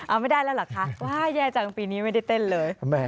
เอาไม่ได้แล้วเหรอคะว้าแย่จังปีนี้ไม่ได้เต้นเลย